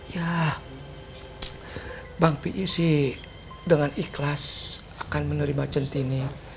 ya bang pi'i sih dengan ikhlas akan menerima cinti ini